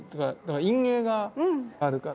陰影があるから。